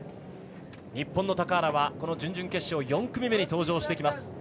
日本の高原は準々決勝４組目に登場します。